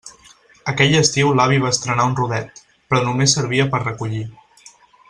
Aquell estiu l'avi va estrenar un rodet, però només servia per a recollir.